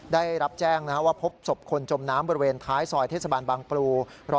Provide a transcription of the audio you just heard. ได้รับแจ้งว่าพบศพคนจมน้ำบริเวณท้ายซอยเทศบาลบางปลู๑๐